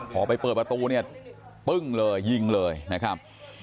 พอไปเปิดประตูเนี่ยปึ้งเลยยิงเลยนะครับ